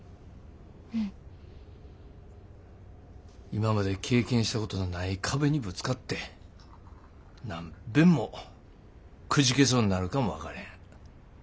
今まで経験したことのない壁にぶつかって何べんもくじけそうになるかも分かれへん。